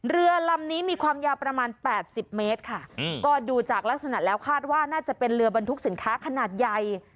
เรือลำนี้มีความยาวประมาณ๘๐เมตรค่ะก็ดูจากลักษณะแล้วคาดว่าน่าจะเป็นเรือบรรทุกสินค้าขนาดใหญ่